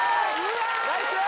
ナイス